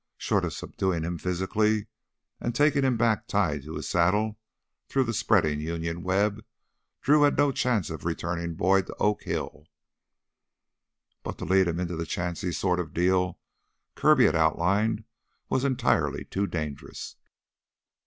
Short of subduing him physically and taking him back tied to his saddle through the spreading Union web, Drew had no chance of returning Boyd to Oak Hill. But to lead him into the chancy sort of deal Kirby had outlined was entirely too dangerous.